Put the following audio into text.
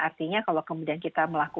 artinya kalau kemudian kita melakukan